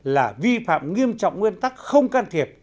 là vi phạm nghiêm trọng nguyên tắc không can thiệp